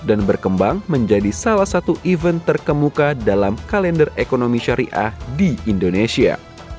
dan berkembang menjadi salah satu event terkemuka dalam kalender ekonomi syariah di indonesia